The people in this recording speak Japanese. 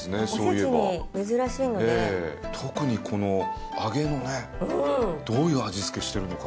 特にこの揚げのねどういう味付けしてるのか。